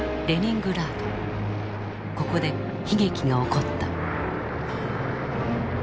ここで悲劇が起こった。